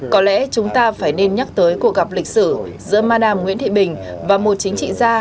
có lẽ chúng ta phải nên nhắc tới cuộc gặp lịch sử giữa madam nguyễn thị bình và một chính trị gia